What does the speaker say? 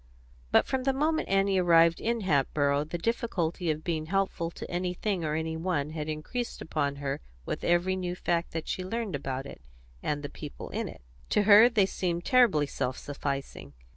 But from the moment Annie arrived in Hatboro' the difficulty of being helpful to anything or any one had increased upon her with every new fact that she had learned about it and the people in it. To her they seemed terribly self sufficing.